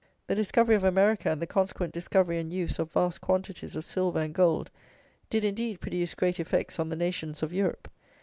The discovery of America, and the consequent discovery and use of vast quantities of silver and gold, did, indeed, produce great effects on the nations of Europe.